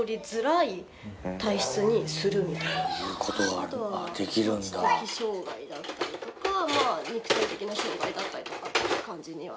あとは知的障がいだったりとか肉体的な障がいだったりとかっていう感じには。